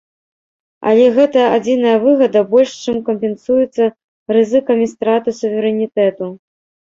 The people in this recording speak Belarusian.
Але гэтая адзіная выгада больш чым кампенсуецца рызыкамі страты суверэнітэту.